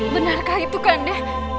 benarkah itu kanda